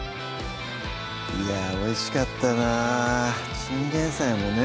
いやおいしかったなチンゲン菜もね